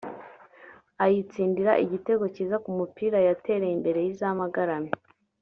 ayitsindira igitego cyiza ku mupira yatereye imbere y’izamu agaramye